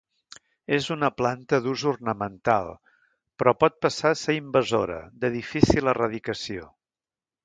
És una planta d'ús ornamental però pot passar a ser invasora de difícil erradicació.